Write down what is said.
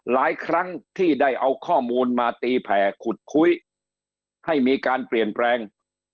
หลายครั้งที่ได้เอาข้อมูลมาตีแผ่ขุดคุยให้มีการเปลี่ยนแปลง